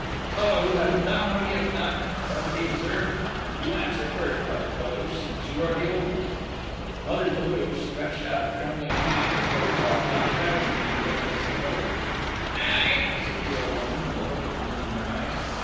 A fellow who has done what he has done, what does he deserve?... You answer first, Mother Toulouche, since you are the oldest?..." Mother Toulouche stretched out a trembling hand, as though calling on Heaven to witness an oath. "I," said the old woman, with a wicked gleam in her eyes.